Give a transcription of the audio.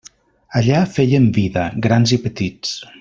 Allà fèiem vida, grans i petits.